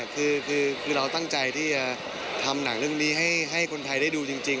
คือเราตั้งใจที่จะทำหนังเรื่องนี้ให้คนไทยได้ดูจริง